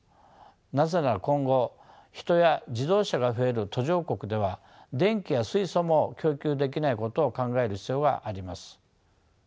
なぜなら今後人や自動車が増える途上国では電気や水素も供給できないことを考える必要があります。